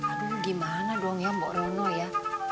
aduh gimana dong ya mbak rono ya